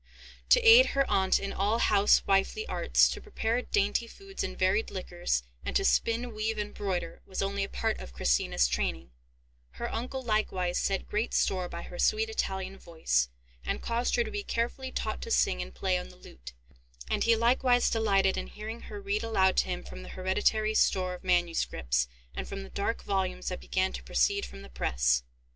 To aid her aunt in all house wifely arts, to prepare dainty food and varied liquors, and to spin, weave, and broider, was only a part of Christina's training; her uncle likewise set great store by her sweet Italian voice, and caused her to be carefully taught to sing and play on the lute, and he likewise delighted in hearing her read aloud to him from the hereditary store of MSS. and from the dark volumes that began to proceed from the press.